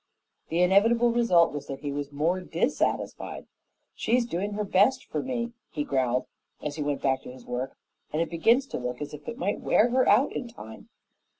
The inevitable result was that he was more dissatisfied. "She's doing her best for me," he growled, as he went back to his work, "and it begins to look as if it might wear her out in time.